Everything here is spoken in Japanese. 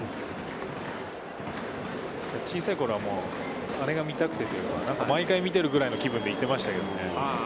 小さいころはあれが見たくてというか、毎回見てるぐらいの気分で行ってましたけどね。